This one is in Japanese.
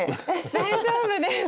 大丈夫です。